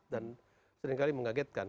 dan seringkali mengagetkan